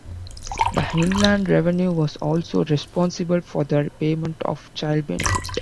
The Inland Revenue was also responsible for the payment of child benefit.